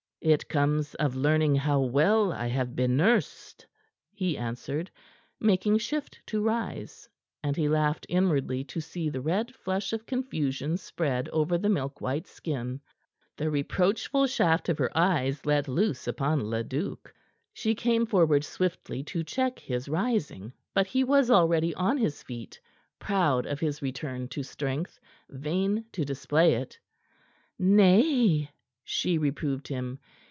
"It comes of learning how well I have been nursed," he answered, making shift to rise, and he laughed inwardly to see the red flush of confusion spread over the milk white skin, the reproachful shaft her eyes let loose upon Leduc. She came forward swiftly to check his rising; but he was already on his feet, proud of his return to strength, vain to display it. "Nay," she reproved him.